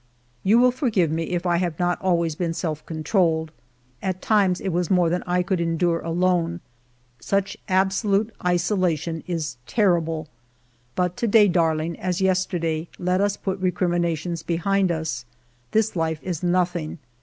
You will forgive me if I have not always been self controlled. At times it was more than I could endure alone; such absolute isolation is terrible. But to day, darling, as yesterday, let us put recriminations behind us. This life is nothing